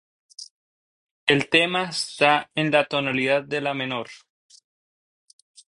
El tema está en la tonalidad de la menor.